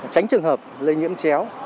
tránh trường hợp lây nhiễm chéo